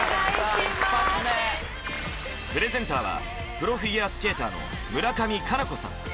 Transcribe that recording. プレゼンターはプロフィギュアスケーターの村上佳菜子さん